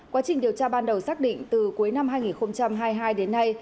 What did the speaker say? quá trình điều tra ban đầu xác định từ cuối năm hai nghìn hai mươi hai đến nay